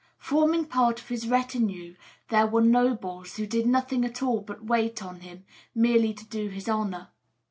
Forming part of his retinue there were nobles, who did nothing at all but wait on him, merely to do him honour.